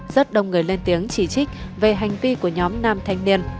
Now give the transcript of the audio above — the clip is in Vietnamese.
rất đông người lên tiếng chỉ trích về hành vi của nhóm nam thanh niên